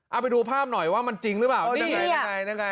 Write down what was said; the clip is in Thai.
เอาไปดูภาพหน่อยว่ามันรึว่าใช่จริงหรือบ่า